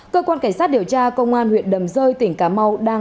cơ quan cảnh sát điều tra công an huyện đầm rơi tỉnh cà mau đang